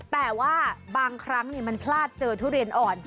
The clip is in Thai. แต่ว่าบางครั้งมันพลาดเจอทุเรียนอ่อน